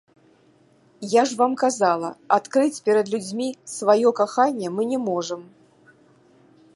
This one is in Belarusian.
Я ж вам казала, адкрыць перад людзьмі сваё каханне мы не можам.